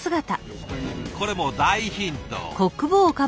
これもう大ヒント。